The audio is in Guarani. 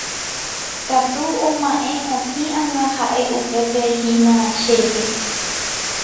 katu oma'ẽ otĩ anga ha'e upépe hína cherehe